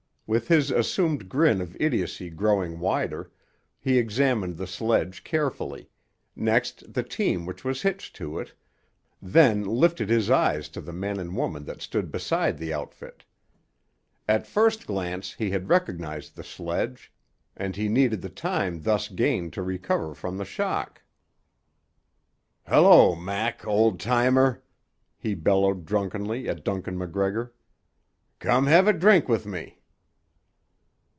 With his assumed grin of idiocy growing wider, he examined the sledge carefully, next the team which was hitched to it, then lifted his eyes to the man and woman that stood beside the outfit. At the first glance he had recognised the sledge, and he needed the time thus gained to recover from the shock. "Hello, Mac, ol' timer!" he bellowed drunkenly at Duncan MacGregor. "Come have a drink with me."